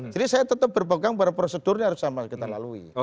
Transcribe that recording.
jadi saya tetap berpokong bahwa prosedurnya harus sama kita lalui